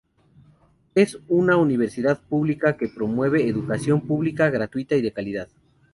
Es una universidad pública que promueve educación pública, gratuita y de calidad.